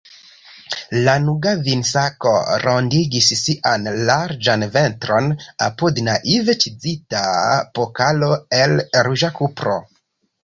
Lanuga vinsako rondigis sian larĝan ventron apud naive ĉizita pokalo el ruĝa kupro.